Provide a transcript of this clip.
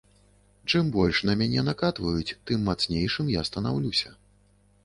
Чым больш на мяне накатваюць, тым мацнейшым я станаўлюся.